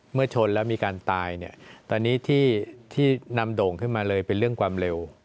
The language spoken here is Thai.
ชนแล้วมีการตายเนี่ยตอนนี้ที่นำโด่งขึ้นมาเลยเป็นเรื่องความเร็ว